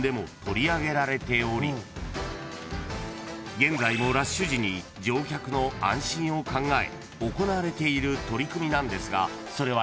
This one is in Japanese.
［現在もラッシュ時に乗客の安心を考え行われている取り組みなんですがそれはいったい何？］